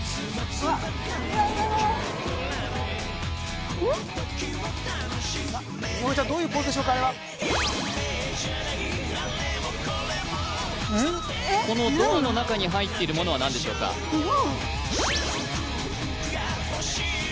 あれはこのドアの中に入っているものは何でしょうか日本？